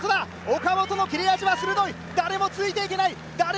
岡本の切れ味は鋭い、誰もついていけない。